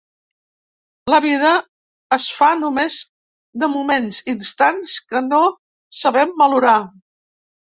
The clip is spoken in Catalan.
La vida es fa només de moments, instants que no sabem valorar.